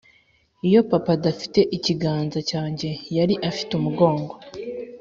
“iyo papa adafite ikiganza cyanjye, yari afite umugongo.”